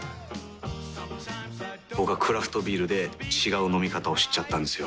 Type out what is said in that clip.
僕はクラフトビールで違う飲み方を知っちゃったんですよ。